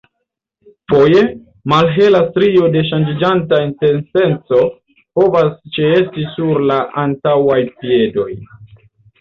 Foje, malhela strio de ŝanĝiĝanta intenseco povas ĉeesti sur la antaŭaj piedoj.